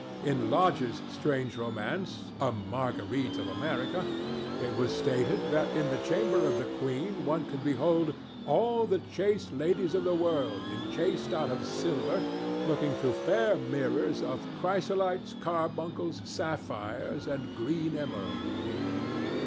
In Lodge's strange romance 'A Margarite of America', it was stated that in the chamber of the queen one could behold "all the chaste ladies of the world, inchased out of silver, looking through fair mirrours of chrysolites, carbuncles, sapphires, and greene emeraults."